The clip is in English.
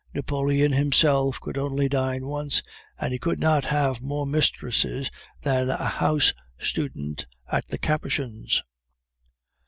Napoleon himself could only dine once, and he could not have more mistresses than a house student at the Capuchins.